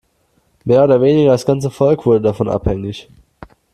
Mehr oder weniger das ganze Volk wurde davon abhängig.